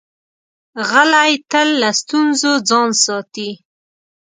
غلی، تل له ستونزو ځان ساتي.